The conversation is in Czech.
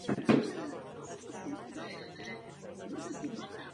To byla tragická chyba!